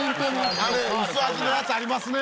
あれうすあじのやつありますね。